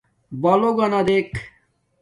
بلݸگَنݳ دݵک.